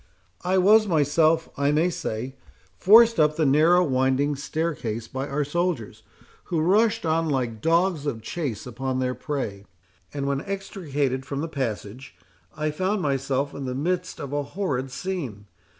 I was myself, I may say, forced up the narrow winding staircase by our soldiers, who rushed on like dogs of chase upon their prey; and when extricated from the passage, I found myself in the midst of a horrid scene.